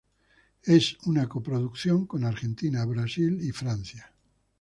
Es una co-producción con Argentina, Brasil y Francia.